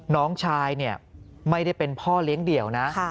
น้องชายเนี่ยไม่ได้เป็นพ่อเลี้ยงเดี่ยวนะ